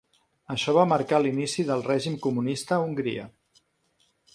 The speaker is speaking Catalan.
Això va marcar l'inici del règim comunista a Hongria.